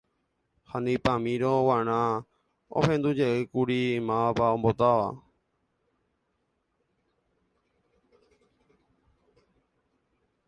Ha neipamírõ g̃uarã ohendujeyjeýkuri máva ombotáva.